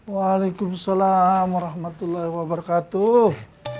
waalaikumsalam warahmatullahi wabarakatuh